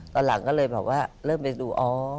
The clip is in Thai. ตอนหลังก็เลยแบบว่าเริ่มไปดูอ๋อ